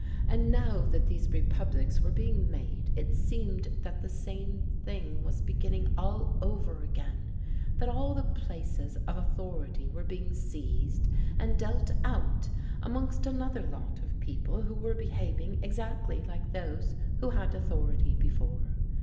And now that these Republics were being made, it seemed that the same thing was beginning all over again that all the places of authority were being seized and dealt out amongst another lot of people who were behaving exactly like those who had authority before.